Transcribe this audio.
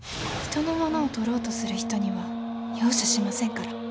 人のものをとろうとする人には容赦しませんから。